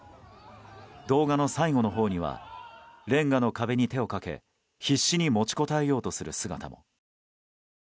動画の最後のほうにはレンガの壁に手をかけ必死に持ちこたえようする姿も。